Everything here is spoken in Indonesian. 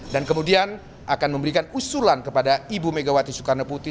dan kemudian akan memberikan usulan kepada ibu megawati sukarno putih